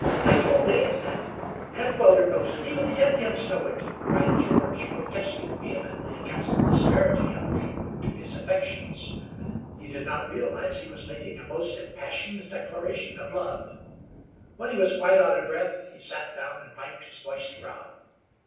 I told Dave that. Heckewelder knows it; even the Indians know it," cried George, protesting vehemently against the disparaging allusion to his affections. He did not realize he was making a most impassioned declaration of love. When he was quite out of breath he sat down and wiped his moist brow.